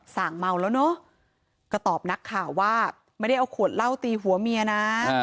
สั่งเมาแล้วเนอะก็ตอบนักข่าวว่าไม่ได้เอาขวดเหล้าตีหัวเมียนะ